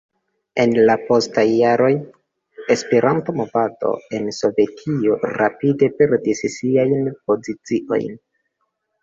En la postaj jaroj Esperanto-movado en Sovetio rapide perdis siajn poziciojn.